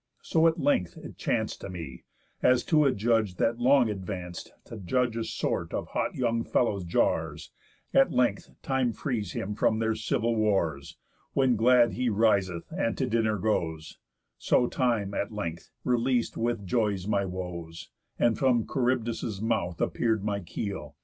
So at length it chanc'd To me, as to a judge that long advanc'd To judge a sort of hot young fellows' jars, At length time frees him from their civil wars, When glad he riseth and to dinner goes; So time, at length, releas'd with joys my woes, And from Charybdis' mouth appear'd my keel.